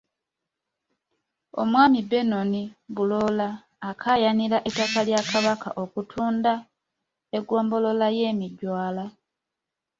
Omwami Benon Bulola akaayanira ettaka lya Kabaka okutudde eggombolola y'e Mijwala